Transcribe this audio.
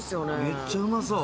めっちゃうまそう。